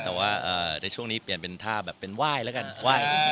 แต่ว่าในช่วงนี้เปลี่ยนเป็นท่าแบบเป็นไหว้แล้วกันไหว้